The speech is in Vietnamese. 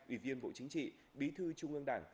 ủy viên bộ chính trị bí thư trung ương đảng